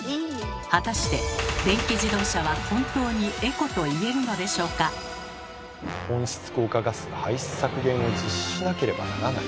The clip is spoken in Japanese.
果たして温室効果ガスの排出削減を実施しなければならない。